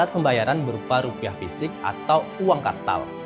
alat pembayaran berupa rupiah fisik atau uang kartal